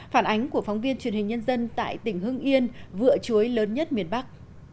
phản ánh của phóng viên truyền hình nhân dân tại tỉnh hưng yên vựa chuối lớn nhất miền bắc